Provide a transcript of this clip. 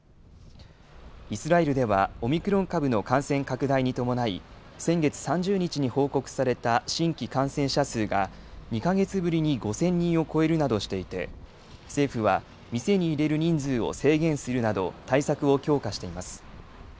イスラエルでは、オミクロン株の感染拡大に伴い、先月３０日に報告された新規感染者数が、２か月ぶりに５０００人を超えるなどしていて、政府は店に入れる人数を制限するなど、対策を強化しています。